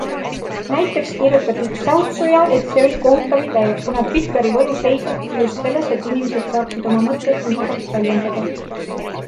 Näiteks kirjutab üks säutsuja, et see oli kohutav idee, kuna Twitteri võlu seisnebki just selles, et inimesed saaksid oma mõtteid lühidalt väljendada.